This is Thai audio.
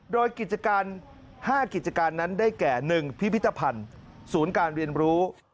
โดยกิจการ๕กิจการนั้นได้แก่๑พิพิธภัณฑ์ศูนย์การเรียนรู้